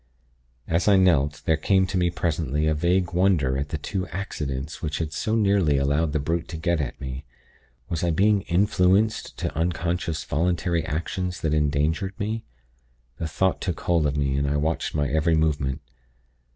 "As I knelt, there came to me presently, a vague wonder at the two 'accidents' which had so nearly allowed the brute to get at me. Was I being influenced to unconscious voluntary actions that endangered me? The thought took hold of me, and I watched my every movement.